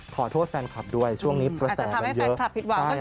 ขอโทษแฟนคลับด้วยช่วงนี้เป็นแสนเยอะแตบหลายคนไม่กลัวใจนะครับ